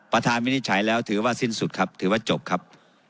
วินิจฉัยแล้วถือว่าสิ้นสุดครับถือว่าจบครับ